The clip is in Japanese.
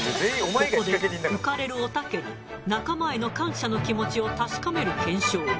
ここで浮かれるおたけに仲間への感謝の気持ちを確かめる検証を。